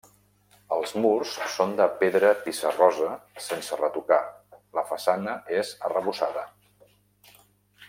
Els murs són de pedra pissarrosa sense retocar, la façana és arrebossada.